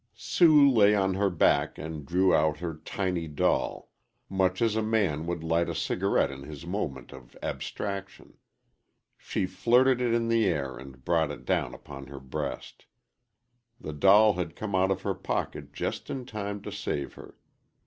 Sue lay on her back and drew out her tiny doll much as a man would light a cigarette in his moment of abstraction. She flirted it in the air and brought it down upon her breast. The doll had come out of her pocket just in time to save her.